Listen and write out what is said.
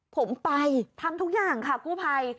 ผมไปทำทุกอย่างค่ะกู้ภัย